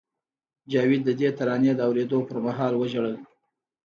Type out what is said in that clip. جاوید د دې ترانې د اورېدو پر مهال وژړل